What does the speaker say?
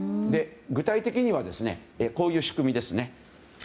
具体的にはこういう仕組みです。